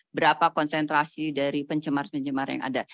berapa konsentrasi dari pencemar pencemar yang ada